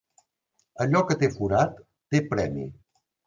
Allò que té forat, té premi.